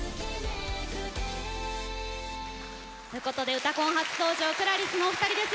「うたコン」初登場ＣｌａｒｉＳのお二人です。